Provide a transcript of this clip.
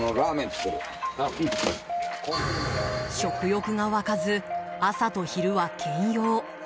食欲が湧かず、朝と昼は兼用。